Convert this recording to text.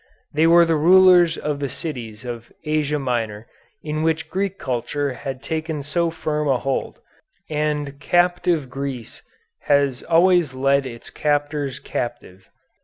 They were the rulers of the cities of Asia Minor in which Greek culture had taken so firm a hold, and captive Greece has always led its captors captive.